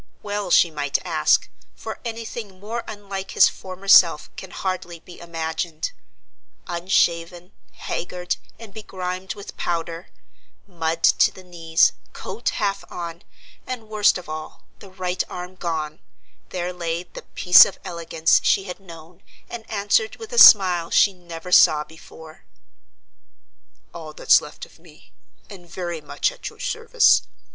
Well she might ask, for any thing more unlike his former self can hardly be imagined. Unshaven, haggard, and begrimed with powder, mud to the knees, coat half on, and, worst of all, the right arm gone, there lay the "piece of elegance" she had known, and answered with a smile she never saw before: "All that's left of me, and very much at your service.